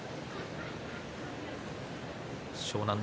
湘南乃